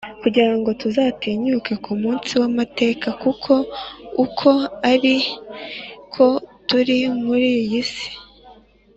kugira ngo tuzatinyuke ku munsi w’amateka, kuko uko ari ari ko turi muri iyi si.